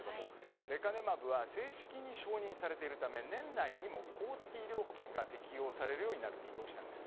レカネマブは正式に承認されているため年内にも公的医療保険が適用される見通しなんです。